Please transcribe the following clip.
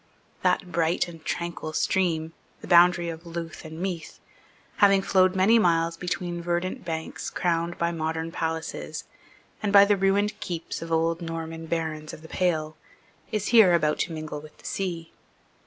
That bright and tranquil stream, the boundary of Louth and Meath, having flowed many miles between verdant banks crowned by modern palaces, and by the ruined keeps of old Norman barons of the pale, is here about to mingle with the sea.